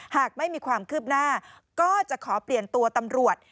หากไม่มีความคืบหน้าก็จะขอเปลี่ยนตัวตำรวจ